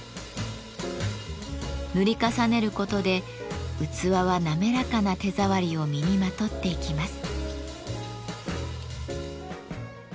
塗り重ねることで器は滑らかな手触りを身にまとっていきます。